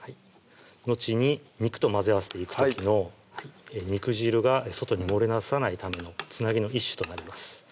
後に肉と混ぜ合わせていく時の肉汁が外に漏れ出さないためのつなぎの一種となります